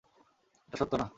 এটা সত্য না।